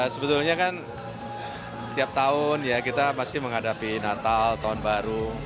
sebetulnya kan setiap tahun ya kita masih menghadapi natal tahun baru